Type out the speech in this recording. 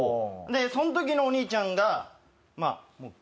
その時のお兄ちゃんが。